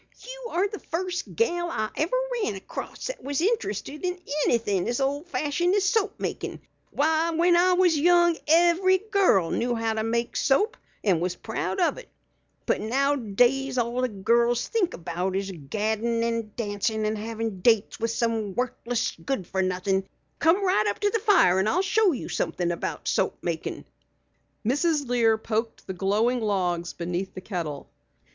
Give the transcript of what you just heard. "You are the first gal I ever ran across that was interested in anything as old fashioned as soap makin'. Why, when I was young every girl knew how to make soap and was proud of it. But nowdays! All the girls think about is gaddin' and dancin' and having dates with some worthless good for nothin'. Come right up to the fire and I'll show you something about soap makin'." Mrs. Lear poked the glowing logs beneath the kettle.